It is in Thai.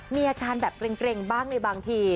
มีอาการแบบเกร็งบ้างในบางที